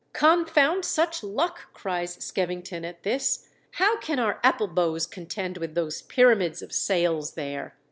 "Confound such luck!" cries Skevin^ton at this. " How can our apple bows contend with those pyramids of sails there